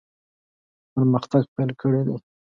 پرمختګ پیل کړی دی.